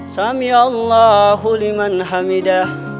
samiallahu liman hamidah